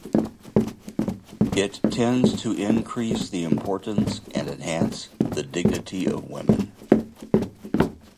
It tends to increase the importance and enhance the dignity of women.